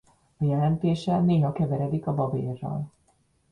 A jelentése néha keveredik a babérral.